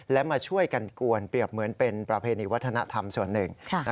และมาช่วยกันกวนเปรียบเหมือนเป็นประเพณีวัฒนธรรมส่วนหนึ่ง